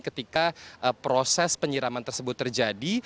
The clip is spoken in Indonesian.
ketika proses penyiraman tersebut terjadi